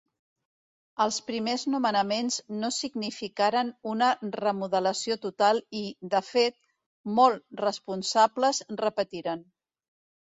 Els primers nomenaments no significaren una remodelació total i, de fet, molt responsables repetiren.